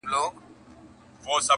په قهر ورکتلي له لومړۍ ورځي اسمان!!